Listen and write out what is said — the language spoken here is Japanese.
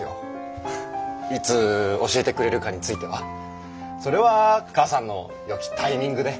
いつ教えてくれるかについてはそれは母さんの良きタイミングで。